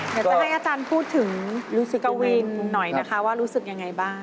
หนูอยากจะให้อาจารย์พูดถึงเรื่องของกะวินค่ะว่ารู้สึกอย่างไรบ้างนะคะ